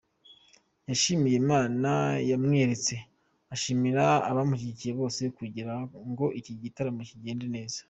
Yashimiye Imana yamwiyeretse, ashimira abamushyigikiye bose kugira ngo iki gitaramo kigende neza.